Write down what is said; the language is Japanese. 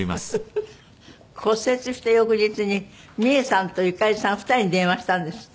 骨折した翌日にミエさんとゆかりさん２人に電話したんですって？